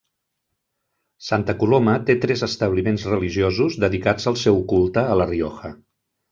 Santa Coloma té tres establiments religiosos dedicats al seu culte a La Rioja.